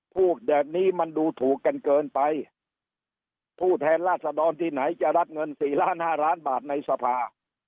พูดแบบนี้มันดูถูกกันเกินไปผู้แทนราษฎรที่ไหนจะรับเงินสี่ล้านห้าล้านบาทในสภา